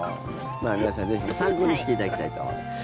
皆さん、ぜひ参考にしていただきたいと思います。